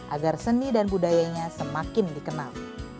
agar seni dan budayanya semakin dikenal